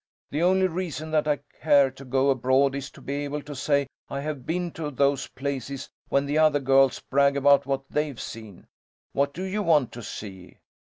The only reason that I care to go abroad is to be able to say I have been to those places when the other girls brag about what they've seen. What do you want to see?"